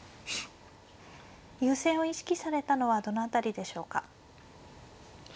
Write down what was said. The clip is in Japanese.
優勢を意識されたのはどの辺りでしょうか。